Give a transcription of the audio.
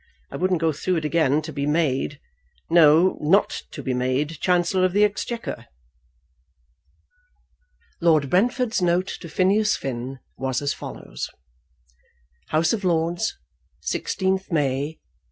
I wouldn't go through it again to be made, no, not to be made Chancellor of the Exchequer." Lord Brentford's note to Phineas Finn was as follows: House of Lords, 16th May, 186